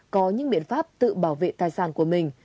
có những biện pháp tự bảo vệ tài sản của mình